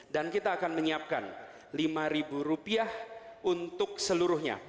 dan kita akan menyiapkan lima rupiah untuk seluruhnya